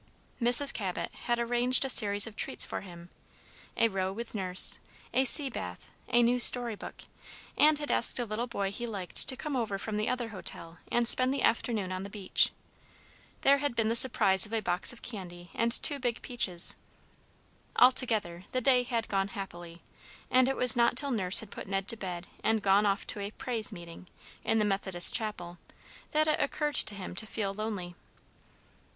Mrs. Cabot had arranged a series of treats for him, a row with Nurse, a sea bath, a new story book, and had asked a little boy he liked to come over from the other hotel and spend the afternoon on the beach. There had been the surprise of a box of candy and two big peaches. Altogether, the day had gone happily, and it was not till Nurse had put Ned to bed and gone off to a "praise meeting" in the Methodist chapel, that it occurred to him to feel lonely.